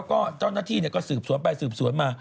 แล้วก็เจ้านักที่ก็สืบสวนไปสืบสวนมา